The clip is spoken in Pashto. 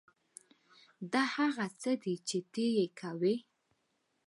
دا هغه څه دي چې ته یې کوې